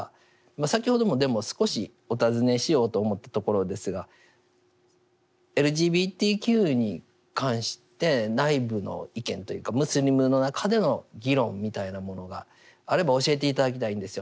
先ほどもでも少しお尋ねしようと思ったところですがＬＧＢＴＱに関して内部の意見というかムスリムの中での議論みたいなものがあれば教えて頂きたいんですよ。